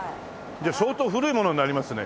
じゃあ相当古いものになりますね。